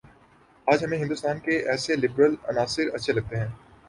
آج ہمیں ہندوستان کے ایسے لبرل عناصر اچھے لگتے ہیں